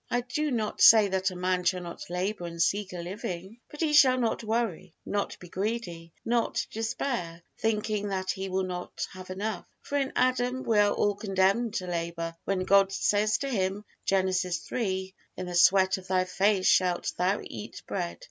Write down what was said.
I do not say that a man shall not labor and seek a living; but he shall not worry, not be greedy, not despair, thinking that he will not have enough; for in Adam we are all condemned to labor, when God says to him, Genesis iii, "In the sweat of thy face shalt thou eat bread."